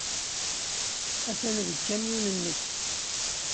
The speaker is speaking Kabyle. Atan deg ukamyun-nnek.